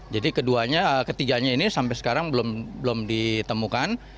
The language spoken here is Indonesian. jadi keduanya ketiganya ini sampai sekarang belum ditemukan